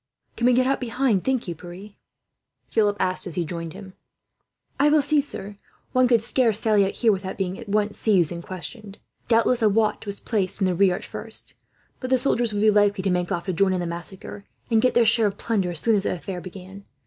"Can we get out behind, think you, Pierre?" Philip asked, as he joined him. "I will see, sir. One could scarce sally out, here, without being at once seized and questioned. Doubtless a watch was placed in the rear, at first; but the soldiers would be likely to make off, to join in the massacre and get their share of plunder, as soon as the affair began.